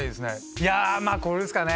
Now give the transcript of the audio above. いやまぁこれですかね。